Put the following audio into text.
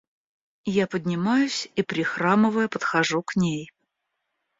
Я поднимаюсь и, прихрамывая, подхожу к ней.